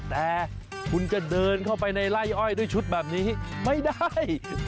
แต่คุณจะเดินเข้าไปในไล่อ้อยด้วยชุดแบบนี้ไม่ได้